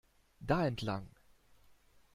Da entlang!